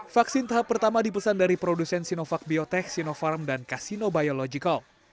vaksin tahap pertama dipesan dari produsen sinovac biotech sinopharm dan kasino biological